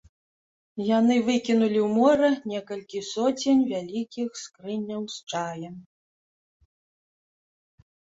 Яны выкінулі ў мора некалькі соцень вялікіх скрыняў з чаем.